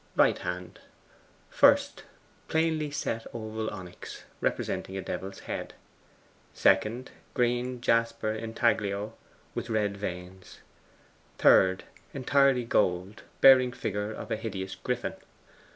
RIGHT HAND. 1st. Plainly set oval onyx, representing a devil's head. 2nd. Green jasper intaglio, with red veins. 3rd. Entirely gold, bearing figure of a hideous griffin.